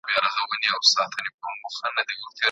مطالعه بايد په ټولنه کي د زغم روحيه پياوړې کړي.